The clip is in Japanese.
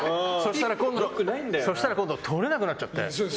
そしたら、今度取れなくなっちゃて。